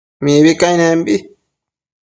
mibi cainenbi